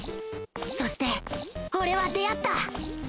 そして俺は出会った！